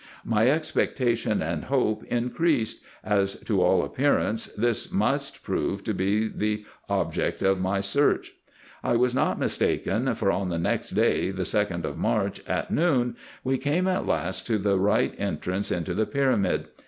My expectation and hope increased, as to all appear ance, this must prove to be the object of my search. I was not mistaken, for on the next day, the 2d of March, at noon, we came at last to the right entrance into the pyramid.